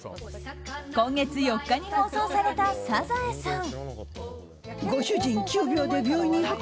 今月４日に放送された「サザエさん」。